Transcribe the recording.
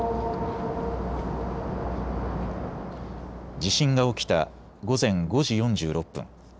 地震が起きた午前５時４６分。